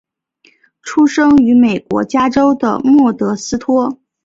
出生于美国加州的莫德斯托。